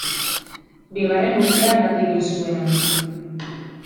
Bigarren urtean alde egin zuen handik.